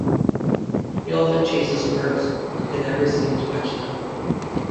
He often chases worms, but can never seem to catch them.